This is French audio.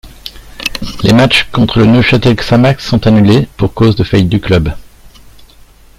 Les matches contre le Neuchâtel Xamax sont annulés, pour cause de faillite du club.